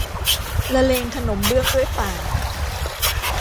ละเลงขนมเบื้องด้วยปาก